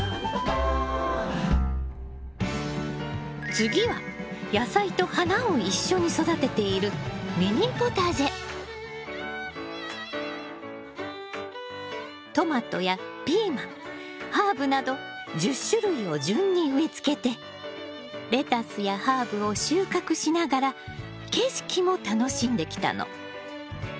次は野菜と花を一緒に育てているトマトやピーマンハーブなど１０種類を順に植えつけてレタスやハーブを収穫しながら景色も楽しんできたの。